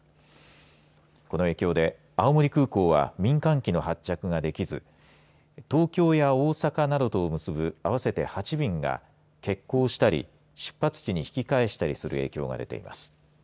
この影響で青森空港は民間機の発着ができず東京や大阪などを結ぶ合わせて８便が欠航したり出発地に引き返したりする影響が出ています。